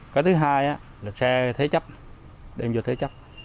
cái thứ hai là xe thế chấp đem vô thế chấp